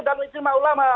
dan menerima ulama